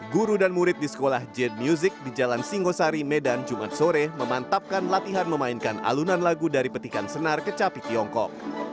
guru dan murid di sekolah jade music di jalan singosari medan jumat sore memantapkan latihan memainkan alunan lagu dari petikan senar kecapi tiongkok